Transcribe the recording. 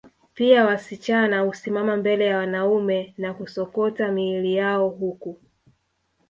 Pia wasichana husimama mbele ya wanaume na kusokota miili yao huku